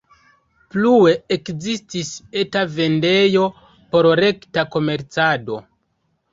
Plue ekzistis eta vendejo por rekta komercado.